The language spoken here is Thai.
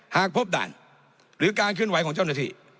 หากพบด่านหรือการเคลื่อนไหวของเจ้าหน้าที่